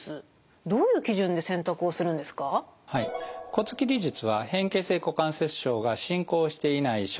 骨切り術は変形性股関節症が進行していない初期の段階。